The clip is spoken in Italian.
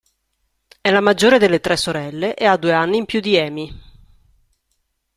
È la maggiore delle tre sorelle e ha due anni in più di Emi.